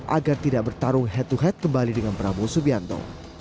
agar tidak bertarung head to head kembali dengan prabowo subianto